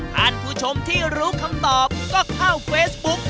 ท่านผู้ชมที่รู้คำตอบก็เข้าเฟซบุ๊ก